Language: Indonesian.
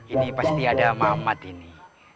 ini pasti ada mamat ini